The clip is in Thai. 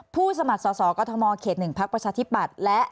ผู้สมัครสรษอ